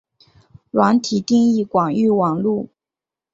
软体定义广域网路。